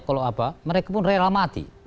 kalau apa mereka pun rela mati